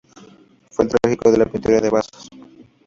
Fue el trágico de la pintura de vasos.